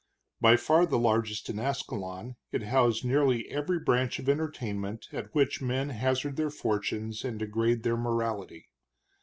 By far the largest in Ascalon, it housed nearly every branch of entertainment at which men hazard their fortunes and degrade their morality.